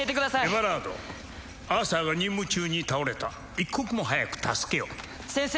エバラードアーサーが任務中に倒れた一刻も早く助けを先生